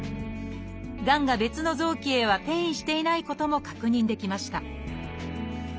がんが別の臓器へは転移していないことも確認できました